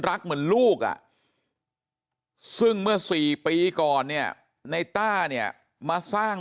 รักเหมือนลูกอ่ะซึ่งเมื่อ๔ปีก่อนเนี่ยในต้าเนี่ยมาสร้าง